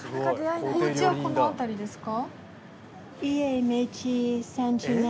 おうちはこの辺りですか？